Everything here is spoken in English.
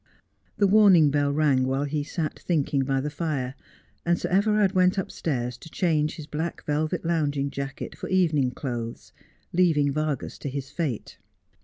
The warning bell rang while he sat thinking by the fire, and Sir Everard went upstairs to change his black velvet lounging jacket for evening clothes, leaving Vargas to his fate.